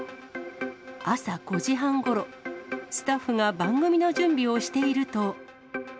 朝５時半ごろ、スタッフが番組の準備をしていると。